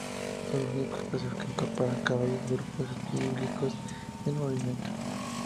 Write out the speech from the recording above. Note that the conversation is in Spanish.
Son los únicos pasos que incorporan caballos y grupos bíblicos en movimiento.